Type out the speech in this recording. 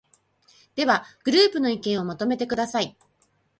では、グループの意見をまとめてください。